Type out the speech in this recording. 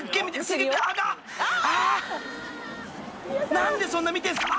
［何でそんな見てんすか？